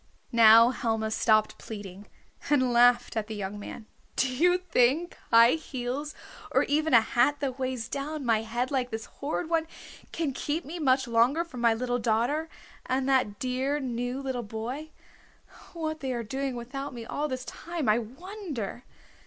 Now Helma stopped pleading, and laughed at the young man. "Do you think high heels, or even a hat that weighs down my head like this horrid one can keep me much longer from my little daughter, and that dear new little boy? What they are doing without me all this time I wonder!"